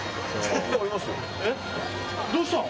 どうしたの？